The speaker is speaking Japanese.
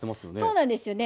そうなんですよね。